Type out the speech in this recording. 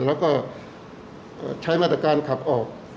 แล้วก็ใช้มาตรการขับออก